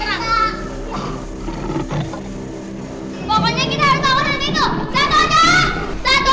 ini aku pak rt